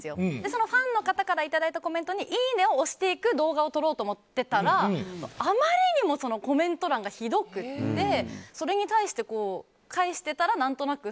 そのファンの方からいただいたコメントにいいねを押していく動画を撮ろうと思っていたらあまりにもコメント欄がひどくてそれに対して、返してたら何となく